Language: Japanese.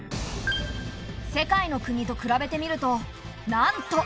世界の国と比べてみるとなんと！